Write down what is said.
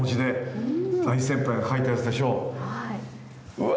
うわ！